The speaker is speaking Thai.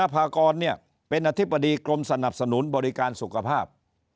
พากรเป็นอธิบดีกรมสนับสนุนบริการสุขภาพ